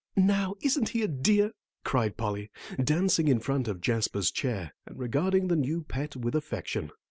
"Now, isn't he a dear?" cried Polly, dancing in front of Jasper's chair, and regarding the new pet with affection.